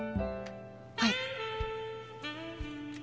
はい。